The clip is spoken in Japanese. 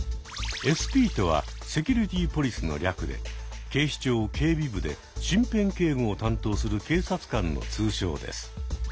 ＳＰとはセキュリティ・ポリスの略で警視庁警備部で身辺警護を担当する警察官の通称です。